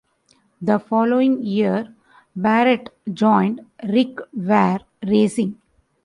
The following year, Barrett joined Rick Ware Racing.